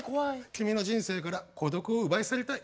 君の人生から孤独を奪い去りたい。